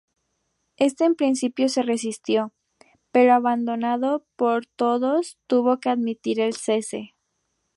Éste en principio se resistió, pero abandonado por todos tuvo que admitir el cese.